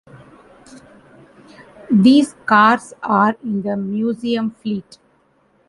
These cars are in the museum fleet.